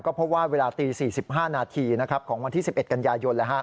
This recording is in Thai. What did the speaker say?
เพราะว่าเวลาตี๔๕นาทีของวันที่๑๑กันยายน